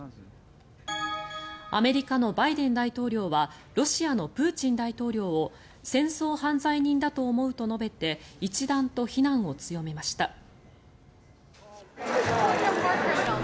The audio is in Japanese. アメリカのバイデン大統領はロシアのプーチン大統領を戦争犯罪人だと思うと述べて一段と非難を強めました。